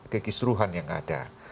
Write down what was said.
kekisruhan yang ada